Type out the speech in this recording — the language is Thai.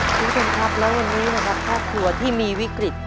สวัสดีครับและวันนี้นะครับครอบครัวที่มีวิกฤต